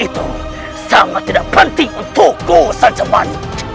itu sangat tidak penting untukku sanjaman